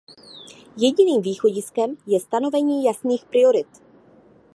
Jediným východiskem je stanovení jasných priorit.